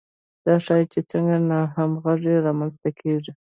دا ښيي چې څنګه ناهمغږي رامنځته کیږي.